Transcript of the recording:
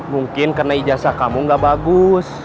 mungkin karena ijasa kamu gak bagus